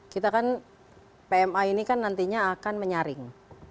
kita kan pma ini kan nantinya akan menyaring